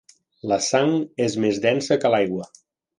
La sang és més densa que l'aigua.